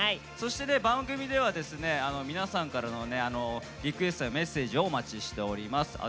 そしてね番組ではですね皆さんからのねリクエストやメッセージをお待ちしております。